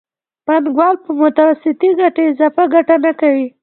پانګوال په متوسطې ګټې اضافي ګټه نه کوي